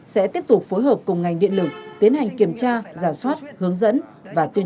sẽ tiếp tục phối hợp cùng ngành điện lực tiến hành kiểm tra giả soát hướng dẫn và tuyên